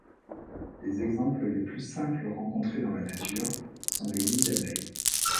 Les exemples les plus simples rencontrés dans la nature sont les nids d'abeille.